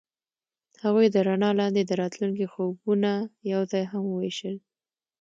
هغوی د رڼا لاندې د راتلونکي خوبونه یوځای هم وویشل.